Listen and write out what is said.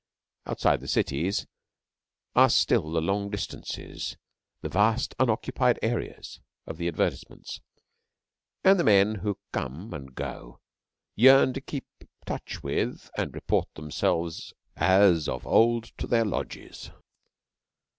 Outside the cities are still the long distances, the 'vast, unoccupied areas' of the advertisements; and the men who come and go yearn to keep touch with and report themselves as of old to their lodges.